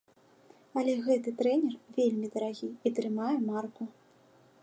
Але гэты трэнер вельмі дарагі і трымае марку.